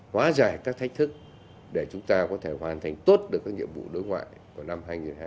hóa giải các thách thức để chúng ta có thể hoàn thành tốt được các nhiệm vụ đối ngoại của năm hai nghìn hai mươi bốn